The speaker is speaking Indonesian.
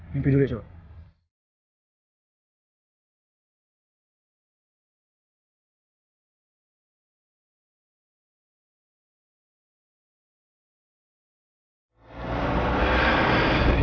mimpi dulu ya coba